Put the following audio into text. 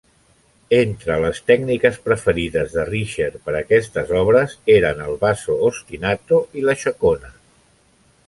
Entre les tècniques preferides de Risher per aquestes obres eren el "basso ostinato" i la xacona.